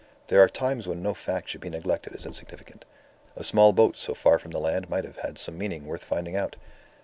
There are times when no fact should be neglected as insignificant; a small boat so far from the land might have had some meaning worth finding out.